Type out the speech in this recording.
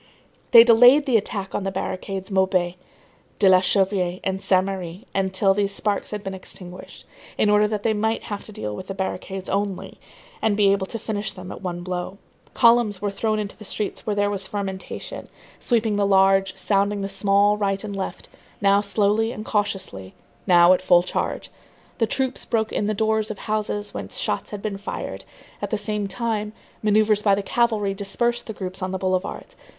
They delayed the attack on the barricades Maubuée, de la Chanvrerie and Saint Merry until these sparks had been extinguished, in order that they might have to deal with the barricades only and be able to finish them at one blow. Columns were thrown into the streets where there was fermentation, sweeping the large, sounding the small, right and left, now slowly and cautiously, now at full charge. The troops broke in the doors of houses whence shots had been fired; at the same time, manœuvres by the cavalry dispersed the groups on the boulevards.